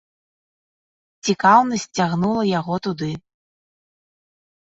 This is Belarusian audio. Цікаўнасць цягнула яго туды.